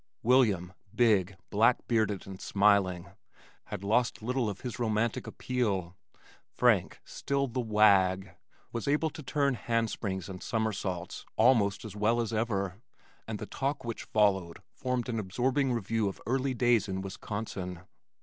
William, big, black bearded and smiling, had lost little of his romantic appeal. Frank, still the wag, was able to turn hand springs and somersaults almost as well as ever, and the talk which followed formed an absorbing review of early days in Wisconsin.